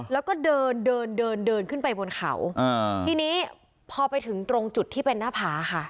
แล้วก็เดินขึ้นไปบนเขาทีนี้พอไปถึงตรงจุดที่เป็นหน้าผ่า